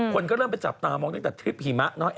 คนก็เริ่มจะจับตามองเถอะตั้งแต่เทรียมหิมะเนอะ